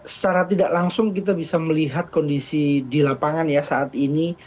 secara tidak langsung kita bisa melihat kondisi di lapangan ya saat ini